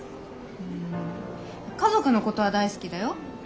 うん家族のことは大好きだよ。